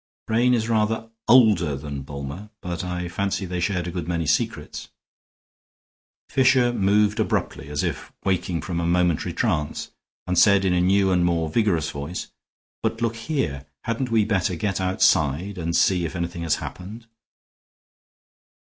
Brain is rather older than Bulmer, but I fancy they shared a good many secrets." Fisher moved abruptly, as if waking from a momentary trance, and said, in a new and more vigorous voice, "But look here, hadn't we better get outside and see if anything has happened."